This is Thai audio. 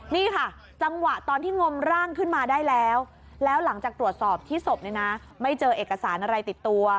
นี่ค่ะจังหวะตอนที่งมร่างขึ้นมาได้แล้วแล้วหลังจากตรวจสอบที่ศพเนี่ยนะไม่เจอเอกสารอะไรติดตัว